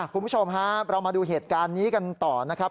คุณผู้ชมครับเรามาดูเหตุการณ์นี้กันต่อนะครับ